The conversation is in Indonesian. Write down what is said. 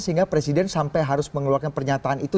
sehingga presiden sampai harus mengeluarkan pernyataan itu